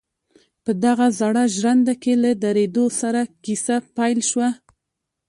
په دغه زړه ژرنده کې له درېدو سره کيسه پيل شوه.